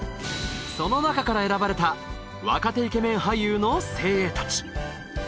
その中から選ばれた若手イケメン俳優の精鋭達